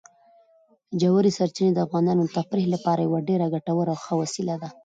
ژورې سرچینې د افغانانو د تفریح لپاره یوه ډېره ګټوره او ښه وسیله ده.